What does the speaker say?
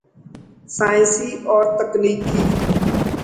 سائنسی اور تکنیکی